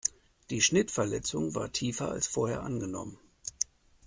Die Schnittverletzung war tiefer als vorher angenommen.